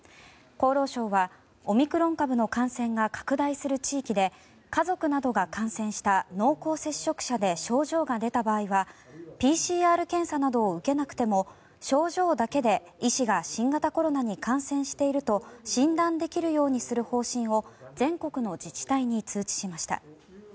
厚労省はオミクロン株の感染が拡大する地域で家族などが感染した濃厚接触者で症状が出た場合はＰＣＲ検査などを受けなくても症状だけで医師が新型コロナに感染していると診断できるようにする方針を全国の自治体に通知しました。